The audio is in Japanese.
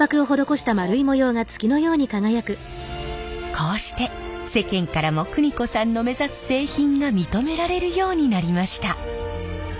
こうして世間からも邦子さんの目指す製品が認められるようになりました。